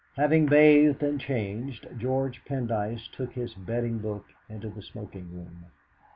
Having bathed and changed, George Pendyce took his betting book into the smoking room.